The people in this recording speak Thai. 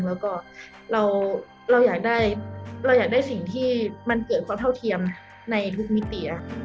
แล้วก็เราอยากได้สิ่งที่มันเกิดความเท่าเทียมในทุกมิติ